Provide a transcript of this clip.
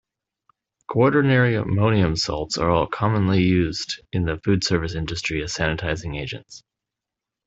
Quaternary ammonium salts are commonly used in the foodservice industry as sanitizing agents.